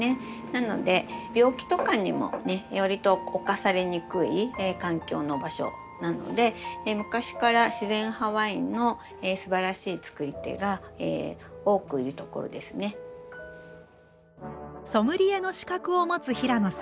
なので病気とかにもねわりと侵されにくい環境の場所なので昔から自然派ワインのすばらしいつくり手が多くいる所ですね。ソムリエの資格を持つ平野さん。